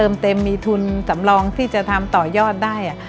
มีทุนสำรองที่จะทำต่อยอดได้